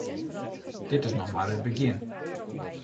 Dit is noch mar it begjin.